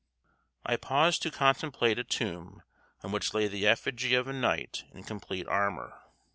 I paused to contemplate a tomb on which lay the effigy of a knight in complete armor.